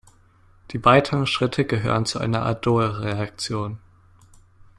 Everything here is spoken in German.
Die weiteren Schritte gehören zu einer Aldolreaktion.